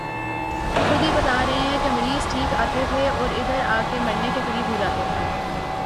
خود ہی بتا رہے ہیں کہ مریض ٹھیک آتے تھے اور ادھر آ کہ مرنے کے قریب ہو جاتے تھے